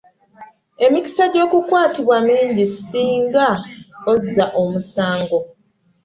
Emikisa gy'okukwatibwa mingi singa ozza omusango.